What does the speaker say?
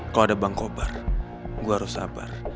kalau ada bang kobra gua harus sabar